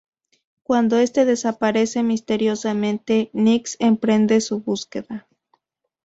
Cuando este desaparece misteriosamente, Nyx emprende su búsqueda.